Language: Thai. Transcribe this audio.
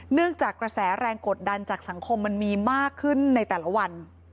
กระแสแรงกดดันจากสังคมมันมีมากขึ้นในแต่ละวัน